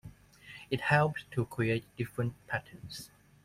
It helps to create different patterns.